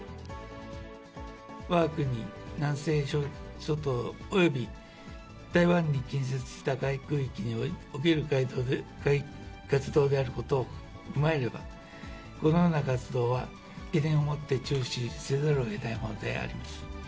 わが国南西諸島および台湾に近接した海空域における活動であることを踏まえれば、このような活動は懸念を持って注視せざるをえないものであります。